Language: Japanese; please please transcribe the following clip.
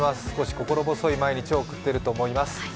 少し心細い毎日を送っていると思います。